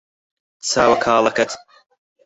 چاوە کاڵەکەت